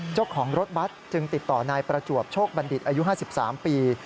เจ้าของรถบัตรจึงติดต่อนายประจวบโชคบัณฑิตอายุ๕๓ปี